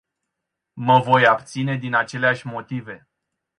Mă voi abține din aceleași motive.